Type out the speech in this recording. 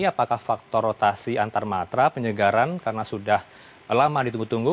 apakah faktor rotasi antarmatra penyegaran karena sudah lama ditunggu tunggu